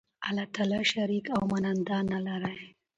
الله تعالی شریک او ماننده نه لری